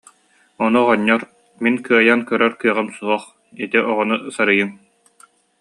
Ону оҕонньор: «Мин кыайан көрөр кыаҕым суох, ити оҕону сарыйыҥ»